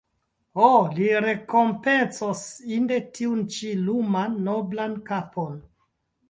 Ho, li rekompencos inde tiun ĉi luman noblan kapon!